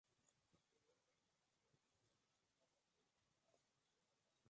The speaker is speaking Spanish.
Las primeras dos misiones fueron en las ciudades de Manila y Cebú.